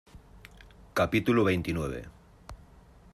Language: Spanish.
capítulo veintinueve.